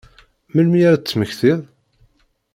Melmi ara ad temmektiḍ?